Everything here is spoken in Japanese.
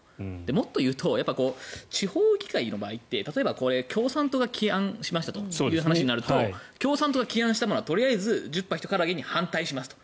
もっと言うと地方議会の場合って例えば共産党が起案したという話になると共産党が起案したのはとりあえず十把一絡げに反対しますと。